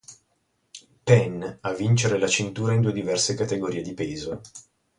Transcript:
Penn, a vincere la cintura in due diverse categorie di peso.